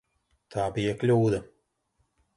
Tā bija kļūda.